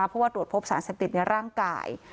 เพราะว่าตรวจพบสารเสพติดในร่างกาย